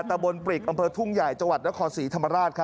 ตะบนปริกอำเภอทุ่งใหญ่จังหวัดนครศรีธรรมราช